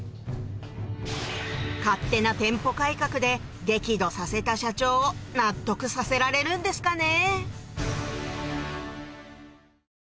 勝手な店舗改革で激怒させた社長を納得させられるんですかね？